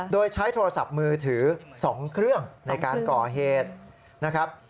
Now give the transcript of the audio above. โดยใช้โทรศัพท์มือถือ๒เครื่องในการก่อเหตุนะครับ